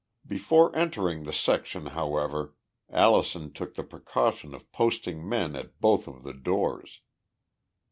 Before entering the section, however, Allison took the precaution of posting men at both of the doors.